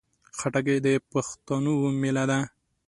خټکی د پښتنو مېله ده.